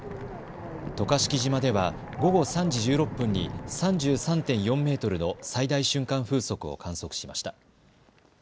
渡嘉敷島では午後３時１６分に３３．４メートルの最大瞬間風速を観測しました。